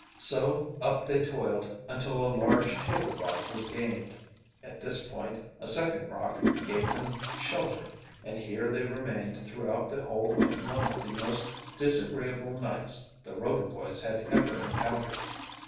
So up they toiled until a large table rock was gained. At this point a second rock gave them shelter, and here they remained throughout the whole of one of the most disagreeable nights the Rover boys had ever encountered.